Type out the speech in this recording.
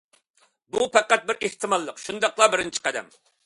بۇ پەقەت بىر ئېھتىماللىق شۇنداقلا بىرىنچى قەدەم.